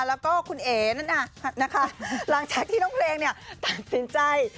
แล้วก็คุณเอ๋นนะคะหลังจากที่น้องเพลงตัดสินใจ